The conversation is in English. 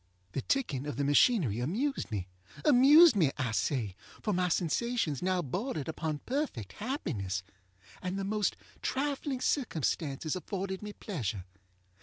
The ticking of the machinery amused me. Amused me, I say, for my sensations now bordered upon perfect happiness, and the most trifling circumstances afforded me pleasure.